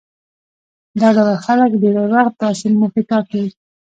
دا ډول خلک ډېری وخت داسې موخې ټاکي.